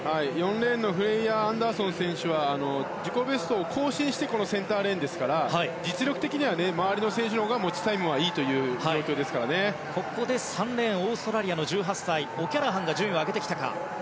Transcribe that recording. ４レーンのフレイヤ・アンダーソン選手は自己ベストを更新してこのセンターレーンですから実力的には周りの選手のほうが持ちタイムはいいというここで３レーンのオーストラリアの１８歳オキャラハンが上げてきた。